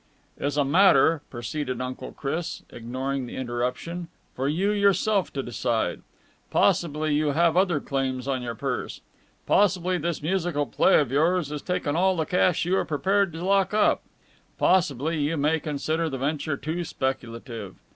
"... is a matter," proceeded Uncle Chris, ignoring the interruption, "for you yourself to decide. Possibly you have other claims on your purse. Possibly this musical play of yours has taken all the cash you are prepared to lock up. Possibly you may consider the venture too speculative.